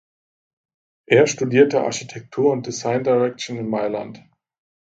Er studierte Architektur und Design Direction in Mailand.